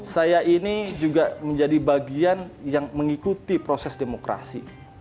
saya ini juga menjadi bagian yang mengikuti proses demokrasi